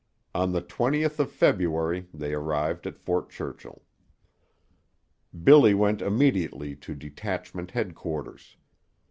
On the twentieth of February they arrived at Fort Churchill. Billy went immediately to detachment headquarters.